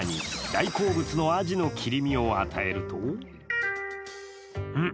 大好物のアジの切り身を与えると、うん？